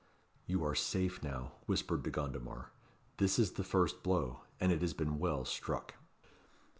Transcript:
"You are safe now," whispered De Gondomar. "This is the first blow, and it has been well struck."